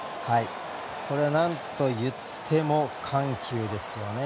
これは何といっても緩急ですよね。